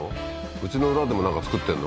うちの裏でもなんか作ってんの？